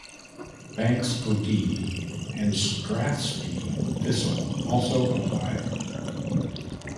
Banks O' Dee and Strathspey Thistle also applied.